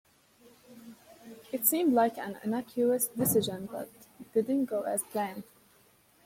It seemed like an innocuous decision but didn't go as planned.